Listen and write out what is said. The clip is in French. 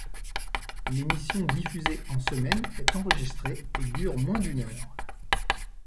L'émission diffusée en semaine est enregistrée et dure moins d'une heure.